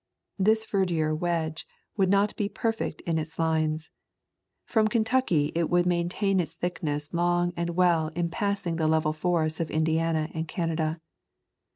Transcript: This verdure wedge would not be perfect in its lines. From Kentucky it would maintain its thickness long and well in passing the level forests of Indiana and Canada.